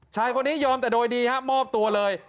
ชายคนนี้ยอมแต่โดยดีฮะมอบตัวเลย